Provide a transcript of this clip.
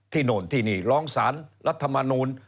โน่นที่นี่ร้องสารรัฐมนูล